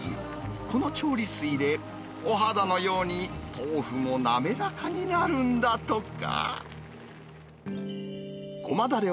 この調理水でお肌のように豆腐も滑らかになるんだとか。